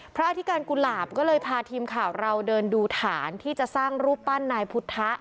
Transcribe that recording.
อธิการกุหลาบก็เลยพาทีมข่าวเราเดินดูฐานที่จะสร้างรูปปั้นนายพุทธะ